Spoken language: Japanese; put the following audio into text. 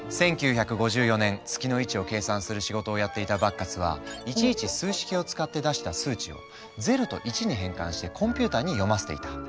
１９５４年月の位置を計算する仕事をやっていたバッカスはいちいち数式を使って出した数値を０と１に変換してコンピューターに読ませていた。